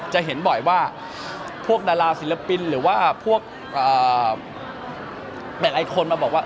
จะเห็นบ่อยว่าพวกดาราศิลปินหรือว่าพวกแบ่งไอคนมาบอกว่า